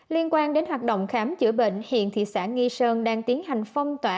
liên quan đến hoạt động khám chữa bệnh hiện thị xã nghi sơn đang tiến hành phong tỏa